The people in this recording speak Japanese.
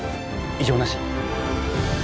異常なし！